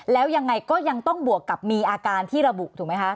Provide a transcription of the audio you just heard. แล้วยังไงก็ยังต้องบวกกับมีอาการที่ระบุถูกไหมคะ